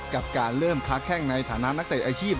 กับการเริ่มค้าแข้งในฐานะนักเตะอาชีพ